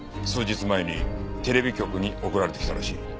数日前にテレビ局に送られてきたらしい。